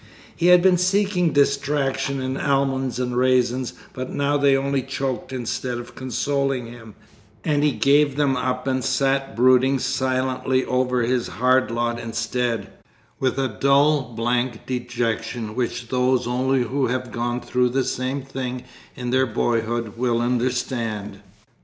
He had been seeking distraction in almonds and raisins, but now they only choked instead of consoling him, and he gave them up and sat brooding silently over his hard lot instead, with a dull, blank dejection which those only who have gone through the same thing in their boyhood will understand.